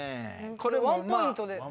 これワンポイントで？